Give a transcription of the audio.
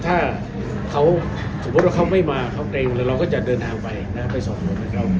ถ้าเขาสมมุติว่าเขาไม่มาเขาเกรงเราก็จะเดินทางไปนะครับไปสอบสวนนะครับ